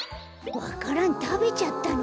わか蘭たべちゃったのか。